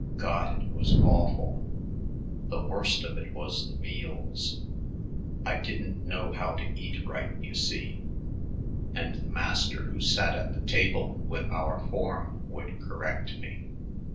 God! it was awful. The worst of it was the meals. I didn't know how to eat right, you see, and the master who sat at the table with our form would correct me.